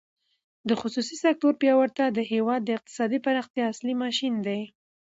د خصوصي سکتور پیاوړتیا د هېواد د اقتصادي پراختیا اصلي ماشین دی.